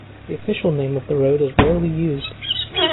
The official name of the road is rarely used.